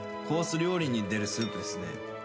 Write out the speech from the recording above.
料理に出るスープですね